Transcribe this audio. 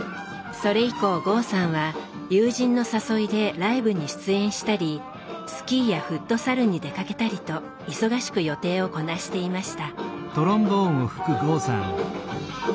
それ以降剛さんは友人の誘いでライブに出演したりスキーやフットサルに出かけたりと忙しく予定をこなしていました。